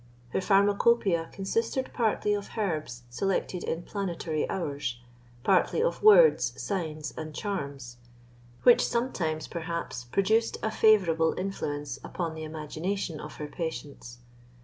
Her pharmacopeia consisted partly of herbs selected in planetary hours, partly of words, signs, and charms, which sometimes, perhaps, produced a favourable influence upon the imagination of her patients.